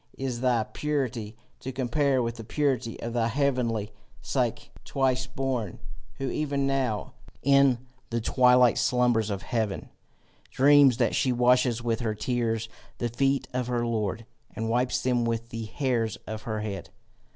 is thy purity to compare with the purity of that heavenly Psyche, twice born, who even now in the twilight slumbers of heaven, dreams that she washes with her tears the feet of her Lord, and wipes them with the hairs of her head?